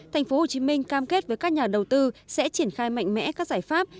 tp hcm cam kết với các nhà đầu tư sẽ triển khai mạnh mẽ các giải pháp